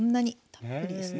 たっぷりですね。